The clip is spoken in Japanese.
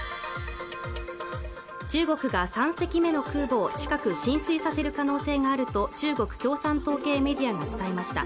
中国が３隻目の空母近く進水させる可能性があると中国共産党系メディアが伝えました